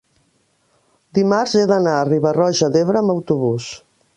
dimarts he d'anar a Riba-roja d'Ebre amb autobús.